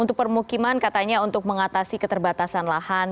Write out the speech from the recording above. untuk permukiman katanya untuk mengatasi keterbatasan lahan